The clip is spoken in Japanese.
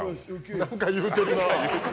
何か言うてるな。